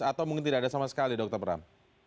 atau mungkin tidak ada sama sekali dr pram